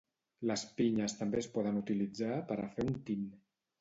Les pinyes també es poden utilitzar per a fer un tint.